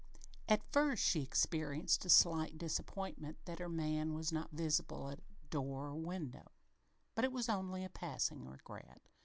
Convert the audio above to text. At first she experienced a slight disappointment that her man was not visible, at door or window. But it was only a passing regret.